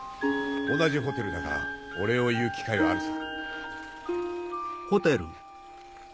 同じホテルだからお礼を言う機会はあるさ。